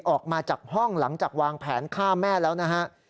ออกมาจากห้องหลังจากวางแผนฆ่าแม่แล้วนะฮะ